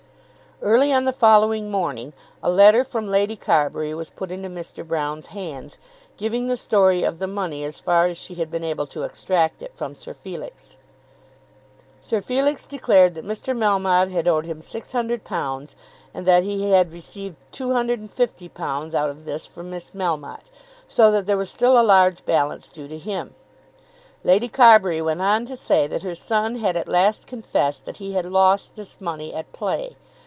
Early on the following morning a letter from Lady Carbury was put into Mr. Broune's hands, giving the story of the money as far as she had been able to extract it from Sir Felix. Sir Felix declared that Mr. Melmotte had owed him £600, and that he had received £250 out of this from Miss Melmotte, so that there was still a large balance due to him. Lady Carbury went on to say that her son had at last confessed that he had lost this money at play.